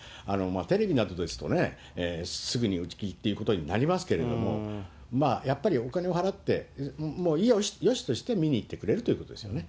テレビなどですとね、すぐに打ち切りということになりますけれども、やっぱりお金を払って、もうよしとして見に行ってくれるということですよね。